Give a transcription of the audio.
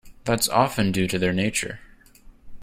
That's often due to their nature.